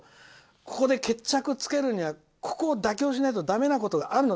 ここで決着つけるにはここを妥協しないとだめなことがあるの。